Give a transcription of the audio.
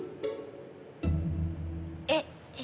えっ？